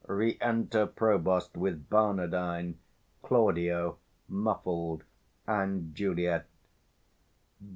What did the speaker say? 475 _Re enter PROVOST, with BARNARDINE, CLAUDIO muffled, and JULIET.